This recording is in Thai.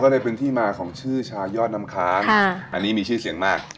ก็เลยเป็นที่มาของชื่อชายอดน้ำค้างอันนี้มีชื่อเสียงมาก